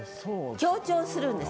強調するんです。